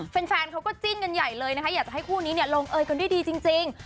แฟนเขาก็จิ้นกันใหญ่เลยนะคะอยากจะให้คู่นี้ลงเอยกันด้วยดีจริง